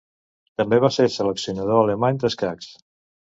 També va ser seleccionador alemany d'escacs.